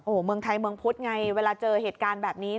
เมืองไทยเมืองพุธไงเวลาเจอเหตุการณ์แบบนี้